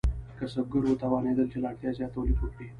کسبګر وتوانیدل چې له اړتیا زیات تولید وکړي.